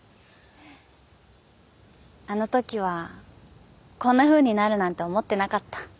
あのときはこんなふうになるなんて思ってなかった。